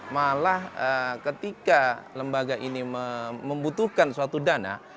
malah ketika lembaga ini membutuhkan suatu dana